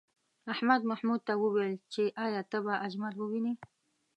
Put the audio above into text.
احمد محمود ته وویل چې ایا ته به اجمل ووینې؟